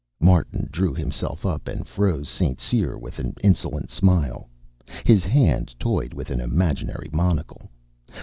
Martin drew himself up and froze St. Cyr with an insolent smile. His hand toyed with an imaginary monocle.